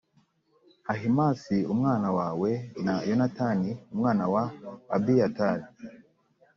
Ahimāsi umwana wawe, na Yonatani umwana wa Abiyatari.